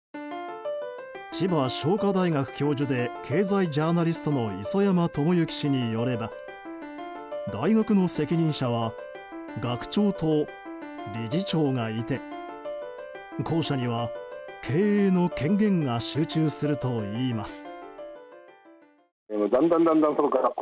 千葉商科大学教授で経済ジャーナリストの磯山友幸氏によれば大学の責任者は学長と理事長がいて後者には経営の権限が集中するといいます。